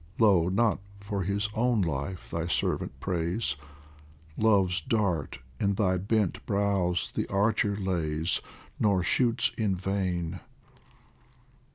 Lo, not for his own life thy servant prays ; Love's dart in thy bent brows the Archer lays, Nor shoots in vain.